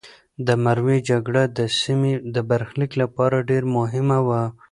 د مروې جګړه د سیمې د برخلیک لپاره ډېره مهمه وه.